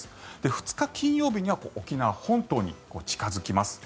２日、金曜日には沖縄本島に近付きます。